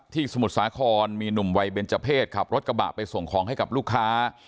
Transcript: สมุทรสาครมีหนุ่มวัยเบนเจอร์เพศขับรถกระบะไปส่งของให้กับลูกค้า